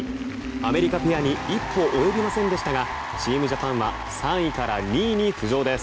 アメリカペアに一歩及びませんでしたがチームジャパンは３位から２位に浮上です。